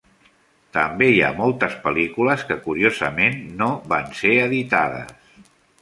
També hi ha moltes pel·lícules que, curiosament, "no" van ser editades.